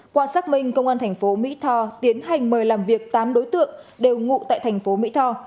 qua xác minh công an thành phố mỹ tho tiến hành mời làm việc tám đối tượng đều ngụ tại thành phố mỹ tho